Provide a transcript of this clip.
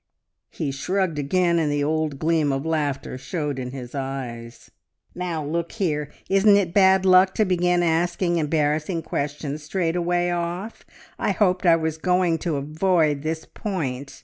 He shrugged again, and the old gleam of laughter showed in his eyes. "Now look here, isn't it bad luck to begin asking embarrassing questions straight away off? I hoped I was going to avoid this point!